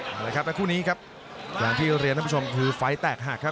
มาเลยครับในคู่นี้ครับหลังที่เรียนท่านผู้ชมคือไฟล์แตกหักครับ